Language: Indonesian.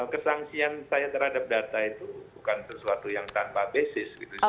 kesangsian saya terhadap data itu bukan sesuatu yang tanpa basis